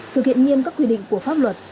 thực hiện nghiêng các quy định của pháp luật